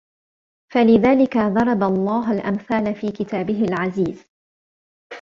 فَلِذَلِكَ ضَرَبَ اللَّهُ الْأَمْثَالَ فِي كِتَابِهِ الْعَزِيزِ